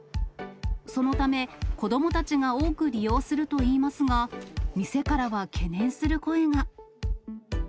そのため、子どもたちが多く利用するといいますが、店からは懸念する声が。